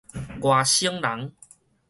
外省人